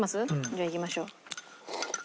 じゃあいきましょう。